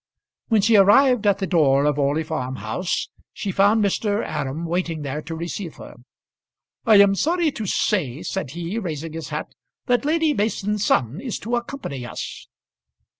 When she arrived at the door of Orley Farm house she found Mr. Aram waiting there to receive her. "I am sorry to say," said he, raising his hat, "that Lady Mason's son is to accompany us."